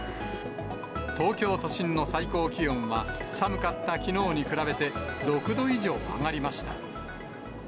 東京都心の最高気温は、寒かったきのうに比べて、６度以上上がりました。